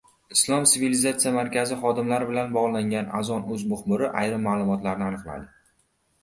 Islom sivilizatsiyasi markazi xodimlari bilan bog‘langan Azon.uz muxbiri ayrim ma’lumotlarni aniqladi.